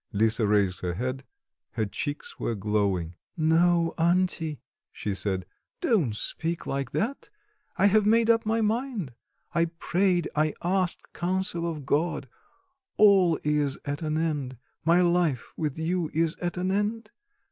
Lisa raised her head, her cheeks were glowing. "No, auntie," she said, "don't speak like that; I have made up my mind, I prayed, I asked counsel of God; all is at an end, my life with you is at an end.